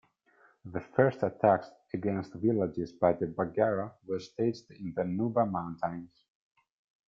The first attacks against villages by the Baggara were staged in the Nuba Mountains.